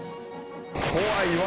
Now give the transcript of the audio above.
怖いわ。